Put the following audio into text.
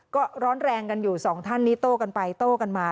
ก็ร้อนแรงกันอยู่สองท่านนี้โต้กันไปโต้กันมา